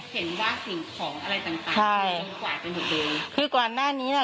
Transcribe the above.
เห็นว่าสิ่งของอะไรต่างต่างใช่คว่าเป็นแบบเดิมคือกว่าหน้านี้น่ะ